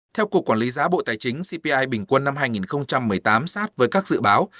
theo cục quản lý giá bộ tài chính cpi bình quân năm hai nghìn một mươi tám sát với các dự báo